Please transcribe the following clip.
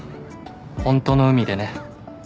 ホントの海でね